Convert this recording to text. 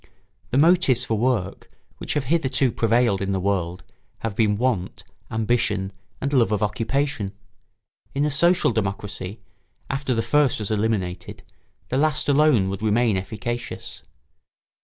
The motives for work which have hitherto prevailed in the world have been want, ambition, and love of occupation: in a social democracy, after the first was eliminated, the last alone would remain efficacious.